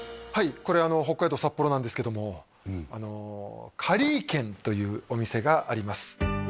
これ北海道札幌なんですけどもカリー軒というお店があります